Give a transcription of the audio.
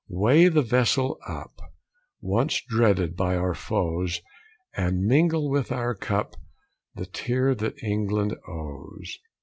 Weigh the vessel up, Once dreaded by our foes! And mingle with our cup The tear that England owes.